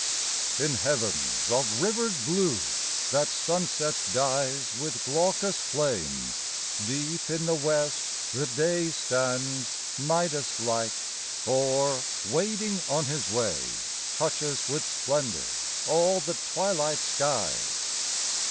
In heavens of rivered blue, that sunset dyes With glaucous flame, deep in the west the Day Stands Midas like; or, wading on his way, Touches with splendor all the twilight skies.